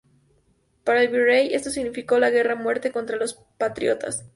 Para el virrey, esto significó la "guerra a muerte" contra los patriotas.